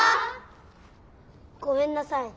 ごめんなさい。